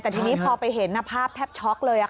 แต่ทีนี้พอไปเห็นภาพแทบช็อกเลย